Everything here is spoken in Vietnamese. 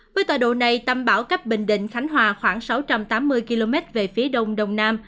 với tòa độ này tâm bão cách bình định khánh hòa khoảng sáu trăm tám mươi km về phía đông đông nam